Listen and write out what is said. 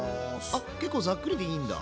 あ結構ざっくりでいいんだ。